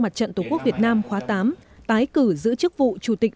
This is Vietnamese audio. mặt trận tổ quốc việt nam khóa tám tái cử giữ chức vụ chủ tịch